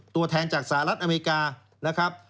ตัวแทนจากสหรัฐอเมริกานะครับ